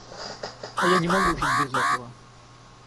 А я не могу жить без этого.